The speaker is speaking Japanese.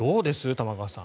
玉川さん